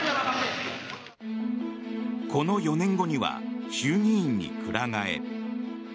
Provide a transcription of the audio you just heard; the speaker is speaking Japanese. この４年後には衆議院にくら替え。